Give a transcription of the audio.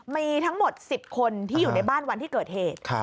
มีทั้งหมด๑๐คนที่อยู่ในบ้านวันที่เกิดเหตุ